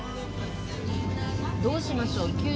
どうしましょう？